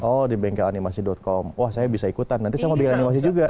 oh di bengkelanimasi com wah saya bisa ikutan nanti saya mau bikin animasi juga